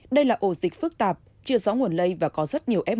đây là ổ dịch phức tạp chưa rõ nguồn lây và có rất nhiều f một